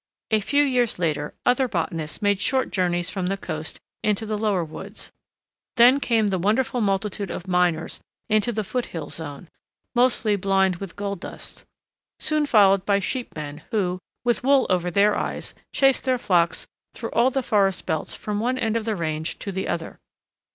A few years later, other botanists made short journeys from the coast into the lower woods. Then came the wonderful multitude of miners into the foot hill zone, mostly blind with gold dust, soon followed by "sheepmen," who, with wool over their eyes, chased their flocks through all the forest belts from one end of the range to the other.